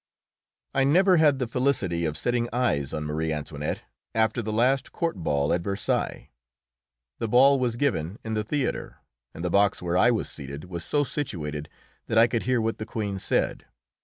I never had the felicity of setting eyes on Marie Antoinette after the last court ball at Versailles. The ball was given in the theatre, and the box where I was seated was so situated that I could hear what the Queen said.